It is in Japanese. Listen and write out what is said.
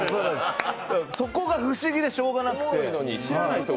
そこが不思議でしょうがなくて。